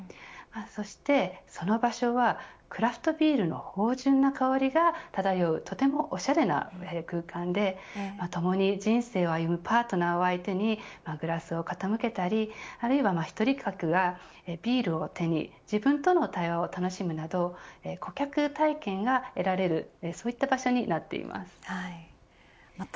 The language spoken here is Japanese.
そしてその場所はクラフトビールの芳醇な香りが漂うとてもおしゃれな空間でともに人生を歩むパートナーを相手にグラスを傾けたりあるいは１人客がビールを手に自分との対話を楽しむなど顧客体験が得られるそういった場所になっています。